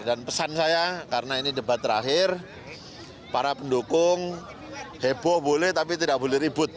dan pesan saya karena ini debat terakhir para pendukung heboh boleh tapi tidak boleh ribut